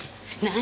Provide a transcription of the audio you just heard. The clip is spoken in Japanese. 何？